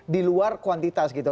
di luar kuantitas gitu